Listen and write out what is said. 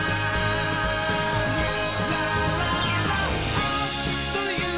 「あっというまっ！